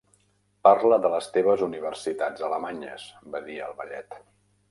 "Parla de les teves universitats alemanyes", va dir el vellet.